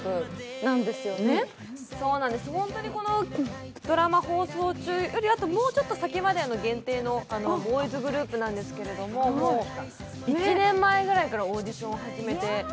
そうなんです、本当のこのドラマ放送中よりも、もうちょっと先まで限定のボーイズグループなんですけど、１年前ぐらいからオーディションを始めて。